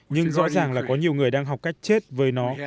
nhưng rõ ràng là có nhiều người đang học cách chết với nó